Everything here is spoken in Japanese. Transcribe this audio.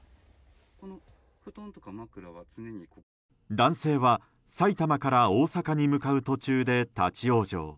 男性は、埼玉から大阪に向かう途中で立ち往生。